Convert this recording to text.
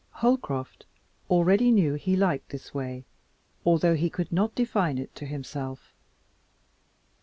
Holcroft already knew he liked this way although he could not define it to himself.